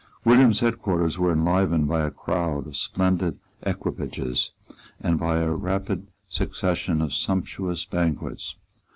William's headquarters were enlivened by a crowd of splendid equipages and by a rapid succession of sumptuous banquets.